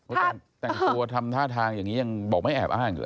แต่งตัวทำท่าทางอย่างนี้ยังบอกไม่แอบอ้างอยู่เลย